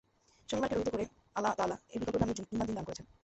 শনিবারকে রহিত করে আল্লাহ তাআলা এর বিকল্পরূপে আমাদেরকে জুমআর দিন দান করেছেন।